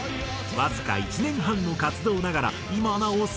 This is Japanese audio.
わずか１年半の活動ながら今なお